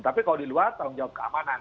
tapi kalau di luar tanggung jawab keamanan